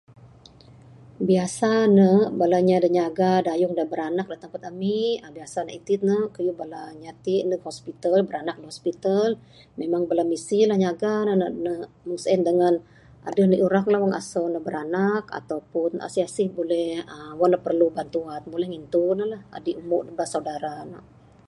Biasa ne bala nya da nyaga dayung da beranak da tempat amik, biasa ne iti ne kayuh bala nya tik ndug hospital beranak da hospital. Memang bala misi lah nyaga ne. Mung sien dengan aduh indi urang lah wang asau ne beranak. Atau pun asih asih buleh uhh wang ne perlu bantuan, buleh ngintu ne lah. Adik umbuk atau saudara ne.